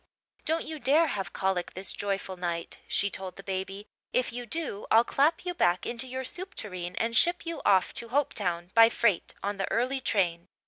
"Don't you dare have colic this joyful night," she told the baby. "If you do I'll clap you back into your soup tureen and ship you off to Hopetown by freight on the early train.